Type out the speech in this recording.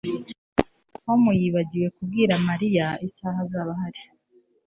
Tom yibagiwe kubwira Mariya isaha azaba ahari